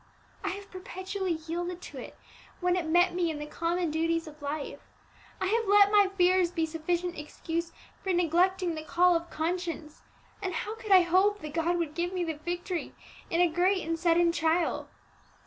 I have perpetually yielded to it when it met me in the common duties of life; I have let my fears be sufficient excuse for neglecting the call of conscience; and how could I hope that God would give me the victory in a great and sudden trial?